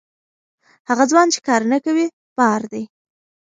هغه ځوان چې کار نه کوي، بار دی.